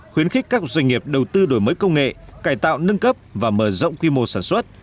khuyến khích các doanh nghiệp đầu tư đổi mới công nghệ cải tạo nâng cấp và mở rộng quy mô sản xuất